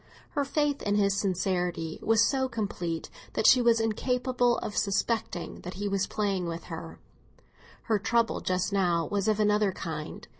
Her faith in his sincerity was so complete that she was incapable of suspecting that he was playing with her; her trouble just now was of another kind.